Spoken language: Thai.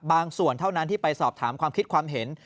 ส่วนเท่านั้นที่ไปสอบถามความคิดความเห็น